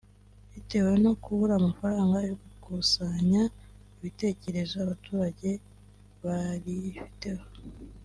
bitewe no kubura amafaranga yo gukoresha mu gukusanya ibitekerezo abaturage barifiteho